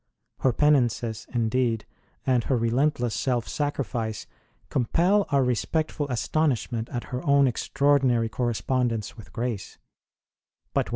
Her penances, indeed, and her relentless self sacrifice, compel our respectful astonishment at her own extra ordinary correspondence with grace, but when 149 150 ST.